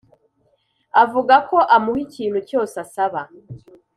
avuga ko amuha ikintu cyose asaba